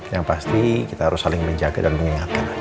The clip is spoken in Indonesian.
yang pasti kita harus saling menjaga dan mengingatkan